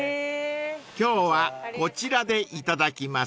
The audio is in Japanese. ［今日はこちらでいただきます］